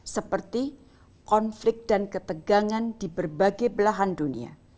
seperti konflik dan ketegangan di berbagai belahan dunia